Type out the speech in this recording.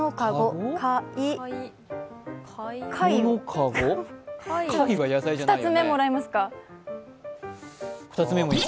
か、い２つ目、もらいますか。